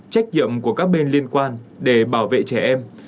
trách nhiệm của các bên liên quan để bảo vệ trẻ em